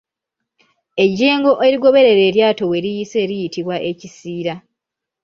Ejjengo erigoberera eryato we liyise liyitibwa ekisiira